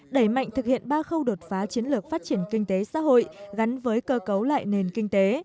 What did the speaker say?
đẩy mạnh thực hiện ba khâu đột phá chiến lược phát triển kinh tế xã hội gắn với cơ cấu lại nền kinh tế